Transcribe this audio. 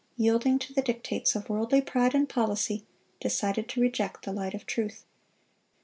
yielding to the dictates of worldly pride and policy, decided to reject the light of truth.